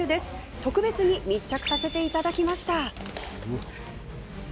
特別に密着させていただきました。